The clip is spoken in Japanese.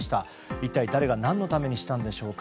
一体誰が何のためにしたんでしょうか。